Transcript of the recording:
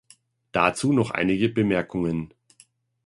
Dazu noch einige Bemerkungen.